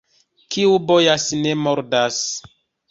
Kiu bojas, ne mordas.